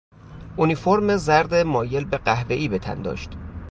اونیفورم زرد مایل به قهوهای به تن داشت.